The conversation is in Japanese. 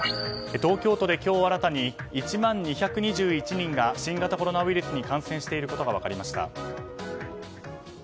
東京都で今日新たに１万２２１人が新型コロナウイルスに感染していることが分かりました。